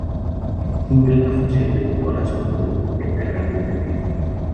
Este símbolo es la fusión de un corazón con un pentagrama invertido.